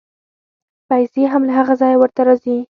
پیسې هم له هغه ځایه ورته راځي.